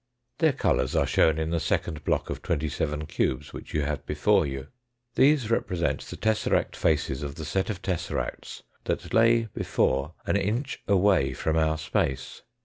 Their colours are shown in the second block of twenty seven cubes which you have before you. These represent the tesseract faces of the set of tesseracts that lay before an inch away from our space.